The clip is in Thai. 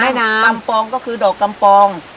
กำปองก็คือดอกกำปอง